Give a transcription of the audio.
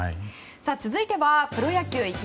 続いてはプロ野球です。